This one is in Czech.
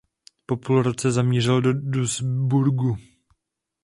Po půl roce zamířil do Duisburgu.